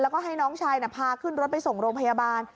แล้วก็ให้น้องชายพาขึ้นรถไปส่งโรงพยาบาล